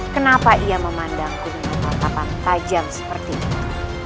kenapa ia memandangku dengan kakapan tajam seperti itu